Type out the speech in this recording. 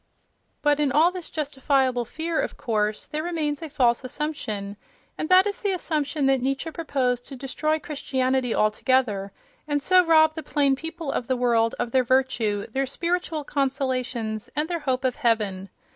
But in all this justifiable fear, of course, there remains a false assumption, and that is the assumption that Nietzsche proposed to destroy Christianity altogether, and so rob the plain people of the world of their virtue, their spiritual consolations, and their hope of heaven.